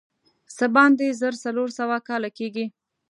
څه باندې زر څلور سوه کاله کېږي.